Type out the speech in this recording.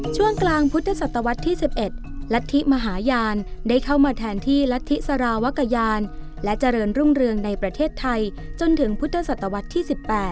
ช่วงกลางพุทธศตวรรษที่๑๑รัฐธิมหาญาณได้เข้ามาแทนที่รัฐธิสารวกยานและเจริญรุ่งเรืองในประเทศไทยจนถึงพุทธศตวรรษที่๑๘